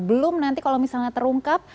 belum nanti kalau misalnya terungkap